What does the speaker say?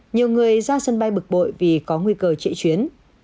nhiều người ra sân bay bực bội vì có nguy cơ chạy chuyến